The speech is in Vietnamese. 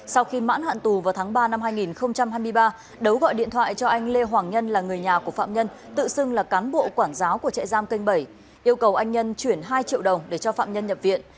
sau khi mãn hạn tù vào tháng ba năm hai nghìn hai mươi ba đấu gọi điện thoại cho anh lê hoàng nhân là người nhà của phạm nhân tự xưng là cán bộ quản giáo của chạy giam kênh bảy yêu cầu anh nhân chuyển hai triệu đồng để cho phạm nhân nhập viện